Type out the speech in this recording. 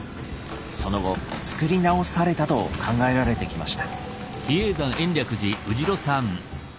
その後作り直されたと考えられてきました。